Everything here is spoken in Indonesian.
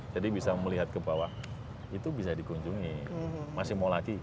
jadi bisa melihat ke bawah itu bisa dikunjungi masih mau lagi